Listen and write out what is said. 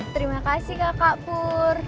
terima kasih kakak pur